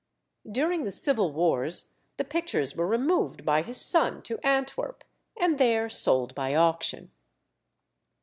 During the Civil Wars the pictures were removed by his son to Antwerp, and there sold by auction.